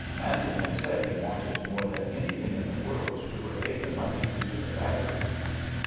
Manton had said he wanted more than anything in the world to repay the money due to the battery.